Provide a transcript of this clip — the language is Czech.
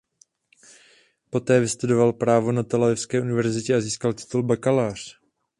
Poté vystudoval právo na Telavivské univerzitě a získal titul bakalář.